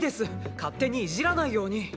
勝手にいじらないように。